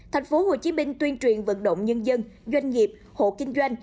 thành phố hồ chí minh tuyên truyền vận động nhân dân doanh nghiệp hộ kinh doanh